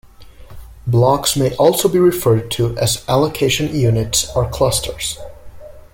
Blocks may also be referred to as allocation units or clusters.